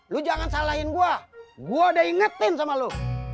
lu jangan salahin gua gua udah ingetin sama lu